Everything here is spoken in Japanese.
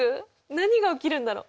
何が起きるんだろう。